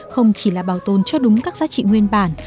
không chỉ là bảo tồn cho đúng các giá trị nguyên bản